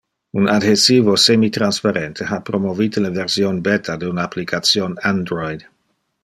Un adhesivo semitransparente ha promovite le version beta de un application Android.